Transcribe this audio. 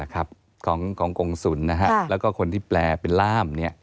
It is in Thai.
ของกรงศูนย์แล้วก็คนที่แปลเป็นล่าม